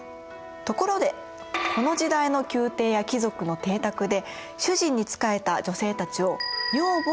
ところでこの時代の宮廷や貴族の邸宅で主人に仕えた女性たちを女房といいます。